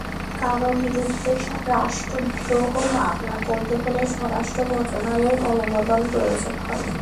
কারও বিরুদ্ধে রাষ্ট্রদ্রোহ মামলা করতে হলে স্বরাষ্ট্র মন্ত্রণালয়ের অনুমোদন প্রয়োজন হয়।